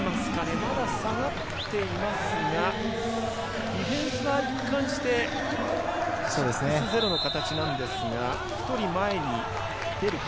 まだ下がっていますが、ディフェンスは一貫して、パスゼロの形なんですが、１人前に出るか？